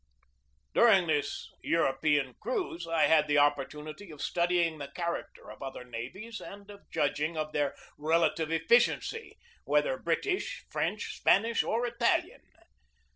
During this European cruise I had the oppor tunity of studying the character of other navies and of judging of their relative efficiency, whether Brit ish, French, Spanish, or Italian.